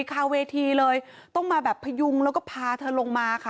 คาเวทีเลยต้องมาแบบพยุงแล้วก็พาเธอลงมาค่ะ